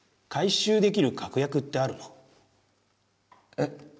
えっ？